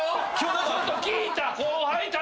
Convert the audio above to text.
ちょっと聞いた？